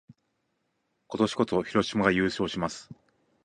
今年こそ、広島が優勝します！